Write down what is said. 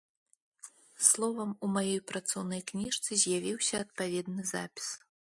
Словам, у маёй працоўнай кніжцы з'явіўся адпаведны запіс.